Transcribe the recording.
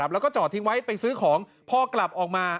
แล้วก็จอดทิ้งไว้ไปซื้อของพอกลับออกมา